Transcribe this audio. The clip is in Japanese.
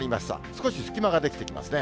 少し隙間が出来てきますね。